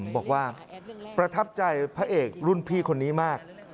บอกว่าประทับใจพระเอกรุ่นพี่คนนี้มาก